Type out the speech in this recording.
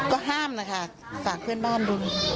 ก็ห้ามนะคะฝากเพื่อนบ้านดู